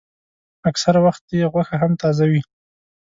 اکثره وخت یې غوښه هم تازه وي.